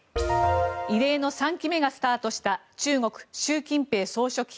異例の３期目がスタートした中国、習近平総書記。